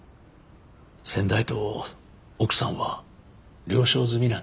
先代と奥さんは了承済みなんですか。